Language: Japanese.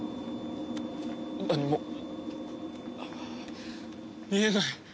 何も見えない！